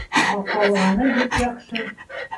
Ә ҡалғаны бик яҡшы.